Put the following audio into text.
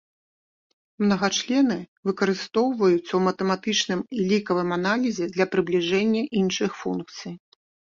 Мнагачлены выкарыстоўваюцца ў матэматычным і лікавым аналізе для прыбліжэння іншых функцый.